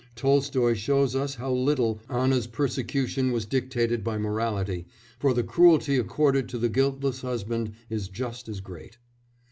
Tolstoy shows us how little Anna's persecution was dictated by morality, for the cruelty accorded to the guiltless husband is just as great.